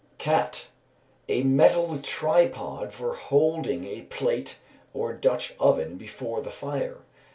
Cat. A metal tripod for holding a plate or Dutch oven before the fire.